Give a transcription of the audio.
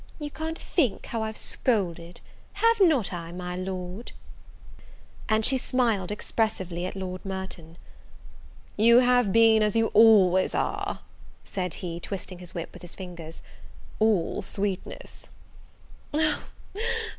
You can't think how I've scolded; have not I, my Lord?" and she smiled expressively at Lord Merton. "You have been, as you always are," said he, twisting his whip with his fingers, "all sweetness."